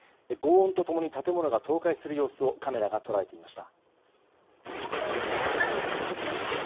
轟音と共に建物が倒壊する様子をカメラが捉えていました。